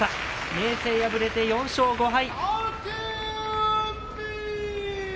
明生、敗れて４勝５敗。